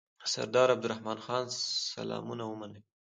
سردار عبدالرحمن خان سلامونه ومنئ.